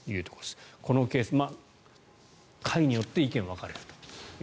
このケース、階によって意見が分かれるという。